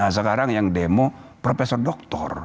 nah sekarang yang demo profesor doktor